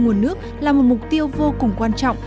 nguồn nước là một mục tiêu vô cùng quan trọng